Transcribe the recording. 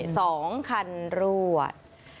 สองคันรวด